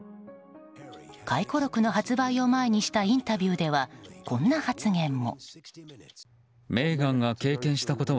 回顧録の発売を前にしたインタビューではこんな発言も。